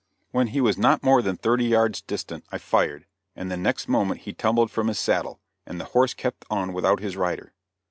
When he was not more than thirty yards distant I fired, and the next moment he tumbled from his saddle, and the horse kept on without his rider.